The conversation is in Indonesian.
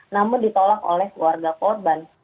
namun ditolak oleh keluarga korban